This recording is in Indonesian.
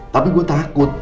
tapi gue takut